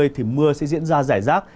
thì mưa sẽ diễn ra rải rác